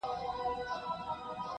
• د پرنګ توپ يې خاموش کی -